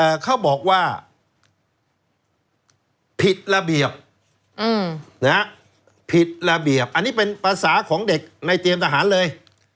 เขาบอกว่าผิดระเบียบอืมนะฮะผิดระเบียบอันนี้เป็นภาษาของเด็กในเตรียมทหารเลย